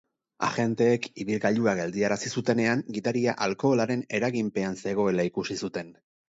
Agenteek ibilgailua geldiarazi zutenean, gidaria alkoholaren eraginpean zegoela ikusi zuten.